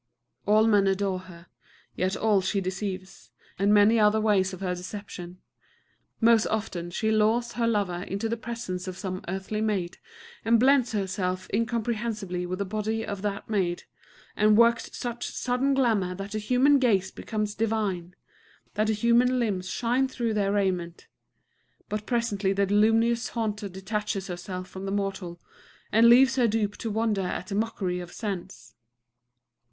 All men adore her; yet all she deceives, and many are the ways of her deception. Most often she lures her lover into the presence of some earthly maid, and blends herself incomprehensibly with the body of that maid, and works such sudden glamour that the human gaze becomes divine, that the human limbs shine through their raiment. But presently the luminous haunter detaches herself from the mortal, and leaves her dupe to wonder at the mockery of sense.